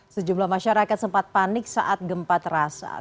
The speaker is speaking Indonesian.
sejumlah masyarakat sempat panik saat gempa terasa